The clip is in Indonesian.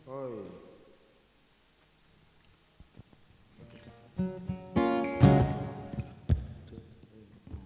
oh mas andi